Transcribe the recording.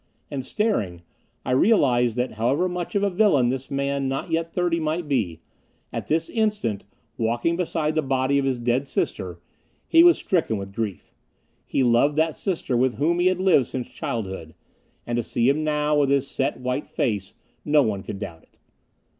And staring, I realized that however much of a villain this man not yet thirty might be, at this instant, walking beside the body of his dead sister, he was stricken with grief. He loved that sister with whom he had lived since childhood; and to see him now, with his set white face, no one could doubt it.